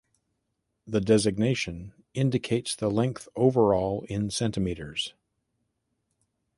The designation indicates the length overall in centimeters.